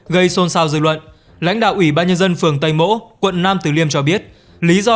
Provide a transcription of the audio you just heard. gây xôn xao dư luận lãnh đạo ủy ban nhân dân phường tây mỗ quận nam tử liêm cho biết lý do